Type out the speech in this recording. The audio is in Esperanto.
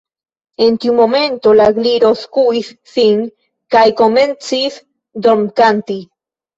En tiu momento la Gliro skuis sin kaj komencis dormkanti.